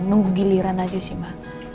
nunggu giliran aja sih mbak